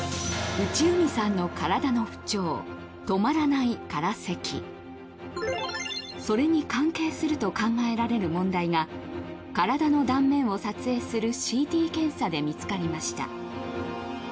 内海さんの体の不調それに関係すると考えられる問題が体の断面を撮影するＣＴ検査で見つかりました